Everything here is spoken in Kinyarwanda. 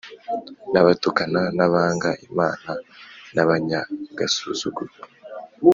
n’abatukana, n’abanga Imana n’abanyagasuzuguro